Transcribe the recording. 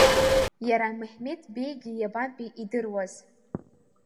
Иара Меҳмеҭ Беигьы иабантәи идыруаз.